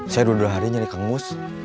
saya dua dua hari nyari kang mus